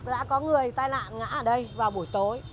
đã có người tai nạn ngã ở đây vào buổi tối